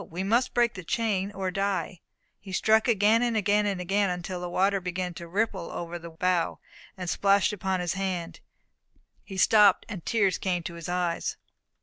We must break the chain or die." He struck again, again, and again, until the water began to ripple over the bow, and splash upon his hand. He stopped, and tears came into his eyes.